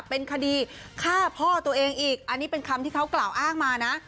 เป็นคดีฆ่าพ่อตัวเองอีกอันนี้เป็นคำที่เขากล่าวอ้างมานะ